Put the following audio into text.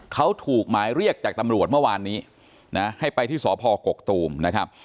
เขาถูกหมายเรียกจากตำรวจเมื่อวานนี้นะให้ไปที่สพกกตูมนะครับ